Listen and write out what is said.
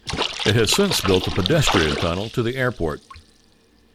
It has since built a pedestrian tunnel to the airport.